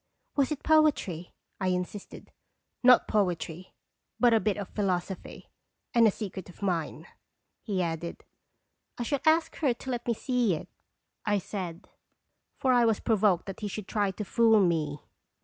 " Was it poetry?" I insisted. " Not poetry, but a bit of philosophy and a secret of mine," he added. " I shall ask her to let me see it," I said, for I was provoked that he should try to fool me.